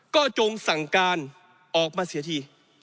ก็จงสั่งการออกมาเสียที